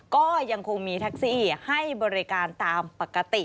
ก็ยังคงมีแท็กซี่ให้บริการตามปกติ